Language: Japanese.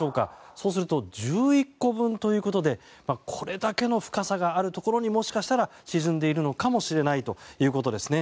そうすると１１個分ということでこれだけの深さがあるところにもしかしたら沈んでいるのかもしれないということですね。